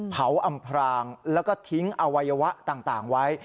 อำพรางแล้วก็ทิ้งอวัยวะต่างไว้